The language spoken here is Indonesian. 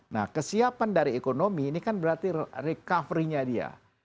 nah kesiapan dari ekonomi ini kan berarti recovery nya dia